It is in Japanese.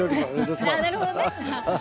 なるほどね。